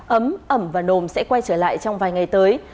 ấm ẩm và nồm sẽ quay trở lại trong vài ngày tới